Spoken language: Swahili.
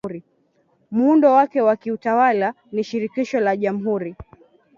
Muundo wake wa kiutawala ni shirikisho la Jamhuri